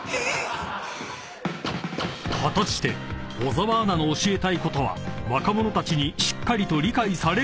［果たして小澤アナの教えたいことは若者たちにしっかりと理解されるのでしょうか？］